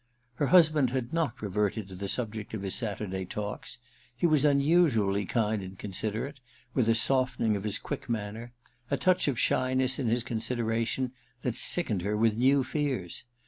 Her husband had not reverted to the subject of his Saturday talks. He was unusually kind and considerate, with a soften ing of his quick manner, a touch of shyness in his consideration, that sickened her with new fears.